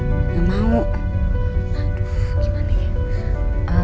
aduh gimana ya